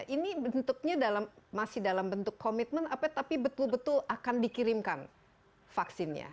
ini bentuknya masih dalam bentuk komitmen tapi betul betul akan dikirimkan vaksinnya